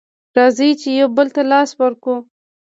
راځئ چې يو بل ته لاس ورکړو